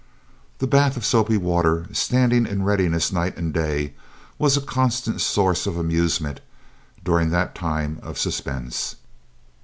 The bath of soapy water, standing in readiness night and day, was a constant source of amusement during that time of suspense.